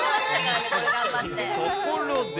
ところで。